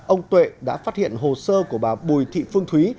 ông tuệ đã phát hiện hồ sơ của bà bùi thị phương thúy